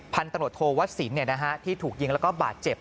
พันตระหนดโทวัดศิลป์ที่ถูกยิงและบาดเจ็บ